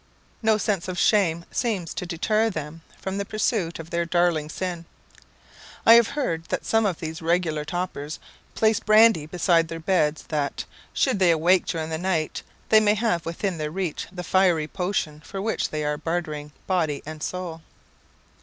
No sense of shame seems to deter them from the pursuit of their darling sin. I have heard that some of these regular topers place brandy beside their beds that, should they awake during the night, they may have within their reach the fiery potion for which they are bartering body and soul.